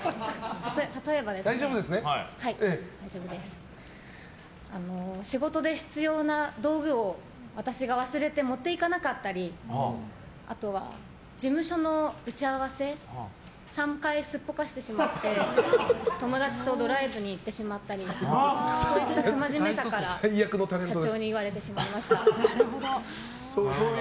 例えば、仕事で必要な道具を私が忘れて持っていかなかったりあとは、事務所の打ち合わせを３回すっぽかしてしまって友達とドライブに行ってしまったりそういった不真面目さから社長に言われてしまいました。